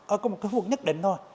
ở một cái khu vực nhất định thôi